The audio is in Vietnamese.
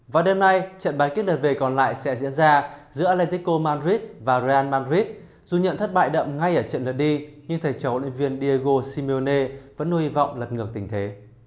và đêm nay trận ban kết lần về còn lại sẽ diễn ra giữa atletico madrid và real madrid dù nhận thất bại đậm ngay ở trận lần đi nhưng thầy trò huấn luyện viên diego simeone vẫn nuôi hy vọng lật ngược tình thế